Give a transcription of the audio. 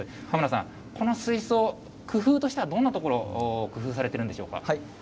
鴨田さん、この水槽、工夫としてはどんなところ、工夫されているんでしょうか。